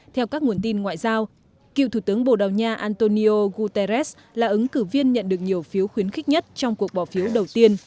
theo các nguồn tin ngoại giao cựu thủ tướng bồ đào nha antonio guterres là ứng cử viên nhận được nhiều phiếu khuyến khích nhất trong cuộc bỏ phiếu đầu tiên